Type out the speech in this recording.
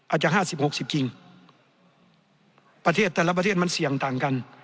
อาจจะ๕๐๖๐จริงประเทศแต่ละประเทศมันเสี่ยงต่างกัน